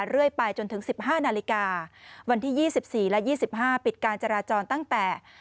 เรื่อยไปจนถึง๑๕นาฬิกาวันที่๒๔และ๒๕ปิดการจราจรตั้งแต่